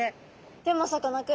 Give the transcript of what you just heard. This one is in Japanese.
でもさかなクン